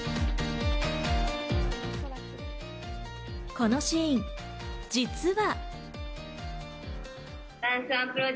このシーン、実は。